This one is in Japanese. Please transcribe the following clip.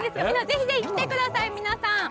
ぜひぜひ、来てください、皆さん。